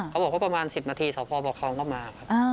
เขาบอกว่าประมาณ๑๐นาทีสวพประคองก็มา